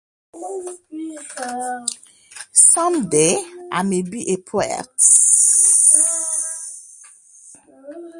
Some day I may be a poet.